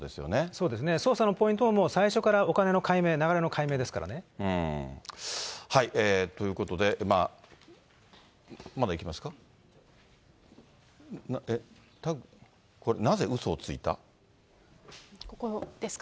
そうですね、捜査のポイントももう最初からお金の解明、流れということで、まだいきますか、これ、なぜうそをついた？